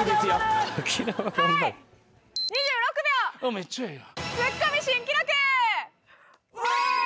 めっちゃええやん。